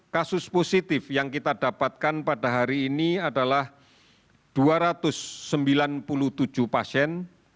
kasus positif yang kita dapatkan pada hari ini adalah dua ratus sembilan puluh tujuh pasien